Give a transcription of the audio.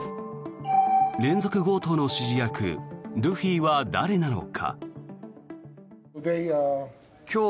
連続強盗の指示役、ルフィは誰なのか。